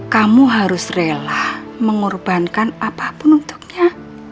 kamu harus rela mengorbankan apapun untuknya